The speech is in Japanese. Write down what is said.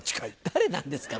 誰なんですか？